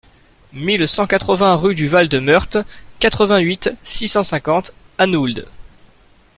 mille cent quatre-vingts rue du Val de Meurthe, quatre-vingt-huit, six cent cinquante, Anould